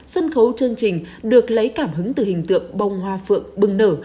sân khấu chương trình được lấy cảm hứng từ hình tượng bông hoa phượng bừng nở